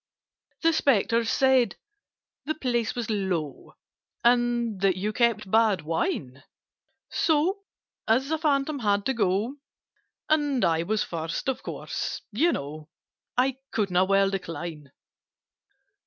"The Spectres said the place was low, And that you kept bad wine: So, as a Phantom had to go, And I was first, of course, you know, I couldn't well decline."